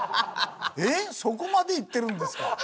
えっそこまでいってるんですか？